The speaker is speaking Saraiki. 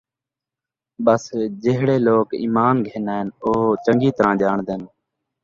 ٻس جِہڑے لوک ایمان گِھن آئن او چَنگی طرح ڄاݨدن،